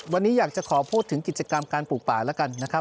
วันนี้อยากจะขอพูดถึงกิจกรรมการปลูกป่าแล้วกันนะครับ